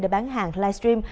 để bán hàng live stream